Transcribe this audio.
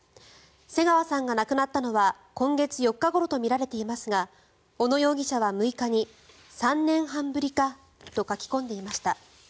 瀬川さんが亡くなったのは今月４日ごろとみられていますが小野容疑者は６日に３年半ぶりかと書き込んでいました。